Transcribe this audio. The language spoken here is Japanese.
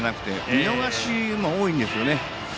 見逃しが多いんですね。